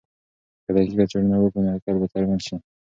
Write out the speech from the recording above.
که دقیقه څېړنه وکړو نو حقیقت به څرګند سي.